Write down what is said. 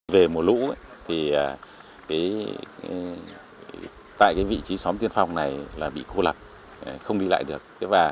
về mùa lũ thì tại vị trí xóm tiên phong này là bị cô lập không đi lại được